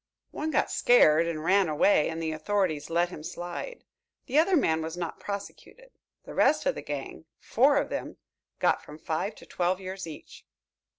"One got scared and ran away and the authorities let him slide. The other man was not prosecuted. The rest of the gang, four of them, got from five to twelve years each."